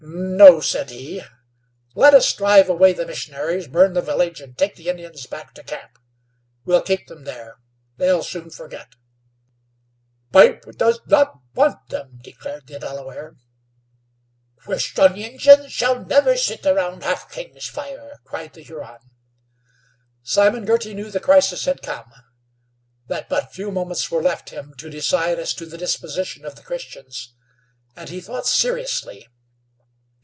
"No," said he; "let us drive away the missionaries, burn the village, and take the Indians back to camp. We'll keep them there; they'll soon forget." "Pipe does not want them," declared the Delaware. "Christian Indians shall never sit round Half King's fire," cried the Huron. Simon Girty knew the crisis had come; that but few moments were left him to decide as to the disposition of the Christians; and he thought seriously.